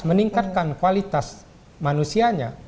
meningkatkan kualitas manusianya